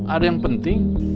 ada yang penting